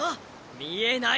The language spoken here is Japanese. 見えない！